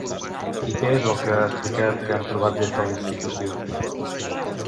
I què és el que ha explicat que han trobat des de la institució?